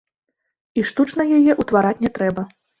І штучна яе ўтвараць не трэба.